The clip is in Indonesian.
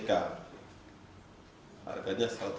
paketnya sim ktp dan